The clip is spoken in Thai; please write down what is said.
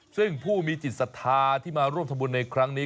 ซึ่งผู้มีจิตศรัทธาที่มาร่วมทำบุญในครั้งนี้